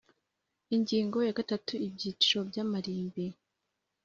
Ingingo ya gatatu Ibyiciro by amarimbi